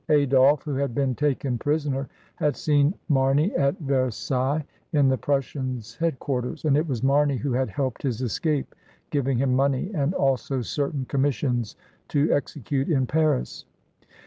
Adolphe, who had been taken prisoner, had seen Marney at Versailles in the Prussians' head quarters, and it was Marney who had helped his escape, giving him money and also certain commissions to execute in Paris.